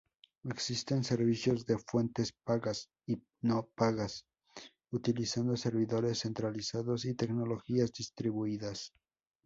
Existen servicios de fuentes pagas y no pagas, utilizando servidores centralizados y tecnologías distribuidas.